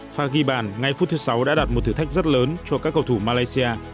pha ghi bàn ngay phút thứ sáu đã đặt một thử thách rất lớn cho các cầu thủ malaysia